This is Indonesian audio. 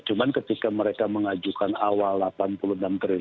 cuman ketika mereka mengajukan awal delapan januari